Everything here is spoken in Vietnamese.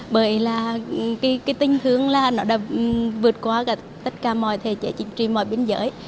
bởi là cái tình thương là nó đã vượt qua tất cả mọi thể trị mọi biên giới